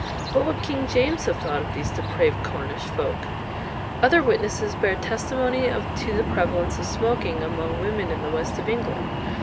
What would King James have thought of these depraved Cornish folk? Other witnesses bear testimony to the prevalence of smoking among women in the west of England.